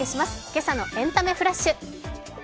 今朝の「エンタメフラッシュ」。